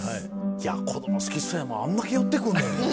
いや子供好きそうやもんあんだけ寄ってくんねんもん。